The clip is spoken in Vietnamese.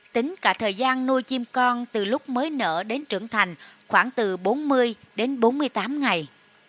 tính cả thời gian nuôi chim con từ lúc mới nở đến trưởng thành khoảng từ bốn mươi đến bốn mươi tám ngày